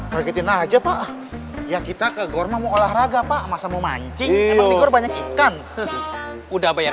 bagitin aja pak ya kita ke gorma mau olahraga pak masa mau mancing banyak ikan udah bayar